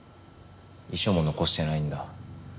遺書も残してないんだ。